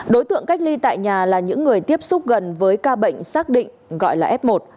đối tượng cách ly tại nhà là những người tiếp xúc gần với ca bệnh xác định gọi là f một